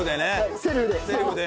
セルフで。